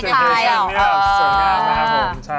สุดเลยครับ